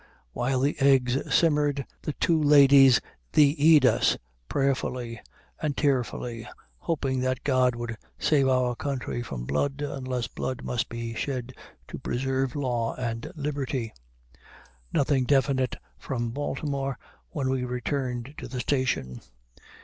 While the eggs simmered, the two ladies thee ed us prayerfully and tearfully, hoping that God would save our country from blood, unless blood must be shed to preserve Law and Liberty. Nothing definite from Baltimore when we returned to the station.